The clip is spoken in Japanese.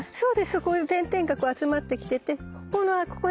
そこに点々が集まってきててここのここです。